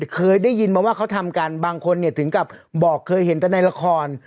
เคยได้ยินมาว่าเขาทำกันบางคนถึงกับบอกเคยเห็นแต่ในละคร